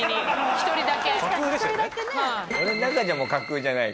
１人だけ。